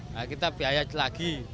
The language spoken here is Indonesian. nah kita biaya lagi